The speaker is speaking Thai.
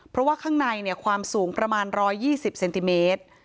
เพราะว่าข้างในเนี่ยความสูงประมาณรอยยี่สิบเซนติเมตร